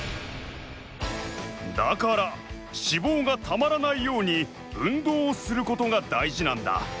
だから脂肪がたまらないように運動をすることがだいじなんだ。